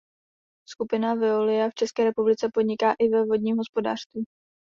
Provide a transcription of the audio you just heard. Skupina Veolia v České republice podniká i ve vodním hospodářství.